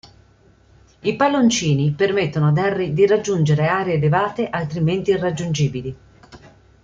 I palloncini permettono ad Harry di raggiungere aree elevate altrimenti irraggiungibili.